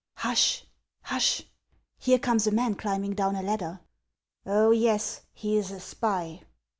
Hush, hush ! here comes a man climbing down a ladder." " Oh. yes ; he is a spy."